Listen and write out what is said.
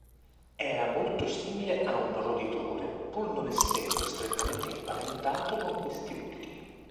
Era molto simile a un roditore pur non essendo strettamente imparentato con questi ultimi.